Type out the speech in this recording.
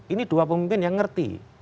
ini dua pemimpin yang ngerti